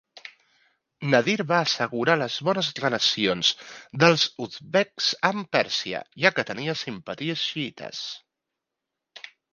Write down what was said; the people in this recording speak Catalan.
Nadir va assegurar les bones relacions dels uzbeks amb Pèrsia, ja que tenia simpaties xiïtes.